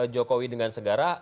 jokowi dengan segarah